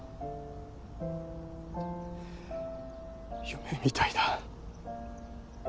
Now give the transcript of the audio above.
夢みたいだ。